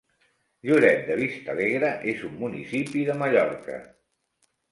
Lloret de Vistalegre és un municipi de Mallorca.